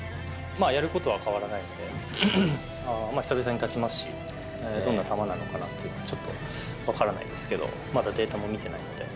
やることは変わらないので、久々に立ちますし、どんな球なのかなって、ちょっと分からないですけど、まだデータも見てないので。